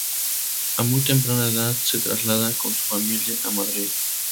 A muy temprana edad se traslada con su familia a Madrid.